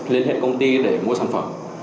lên hệ công ty để mua sản phẩm